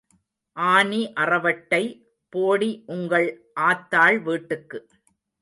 ஆனி அறவட்டை, போடி உங்கள் ஆத்தாள் வீட்டுக்கு.